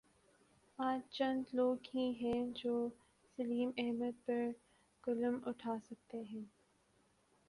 آج چند لوگ ہیں جو سلیم احمد پر قلم اٹھا سکتے ہیں۔